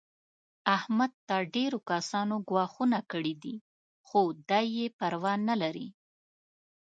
احمد ته ډېرو کسانو ګواښونه کړي دي. خو دی یې پروا نه لري.